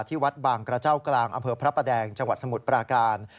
ที่วัดบางกระเจ้ากลางอำเภอพระประแดงจังหวัดสมุทรปราการ